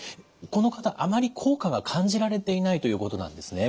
この方あまり効果が感じられていないということなんですね。